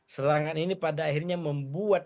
serangan ini pada akhirnya membuat